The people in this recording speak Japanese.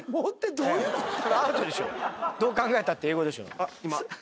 どう考えたって英語でしょ。